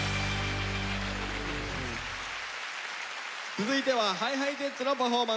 続いてはＨｉＨｉＪｅｔｓのパフォーマンスです。